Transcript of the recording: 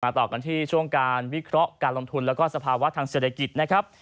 ต่อกันที่ช่วงการวิเคราะห์การลงทุนแล้วก็สภาวะทางเศรษฐกิจนะครับ